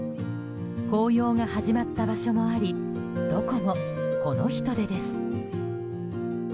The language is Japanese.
紅葉が始まった場所もありどこも、この人出です。